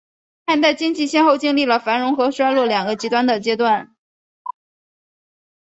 汉代经济先后经历了繁荣和衰落两个极端的阶段。